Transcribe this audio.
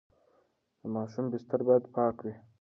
د ماشوم بستر باید پاک وي.